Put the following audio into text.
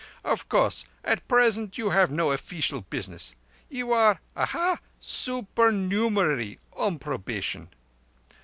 Of course, at present, you have no offeecial business. You are—ah ha!—supernumerary on probation.